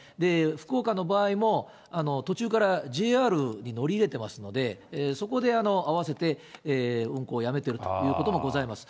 福岡の場合も、途中からＪＲに乗り入れてますので、そこで合わせて運行をやめてるということもございます。